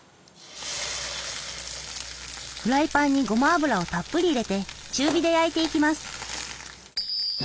フライパンにごま油をたっぷり入れて中火で焼いていきます。